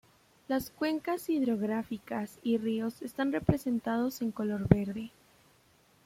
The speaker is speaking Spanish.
Las cuencas hidrográficas y ríos están representados en color verde.